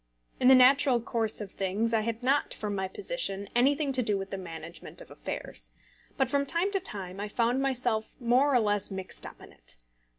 In the natural course of things, I had not, from my position, anything to do with the management of affairs; but from time to time I found myself more or less mixed up in it.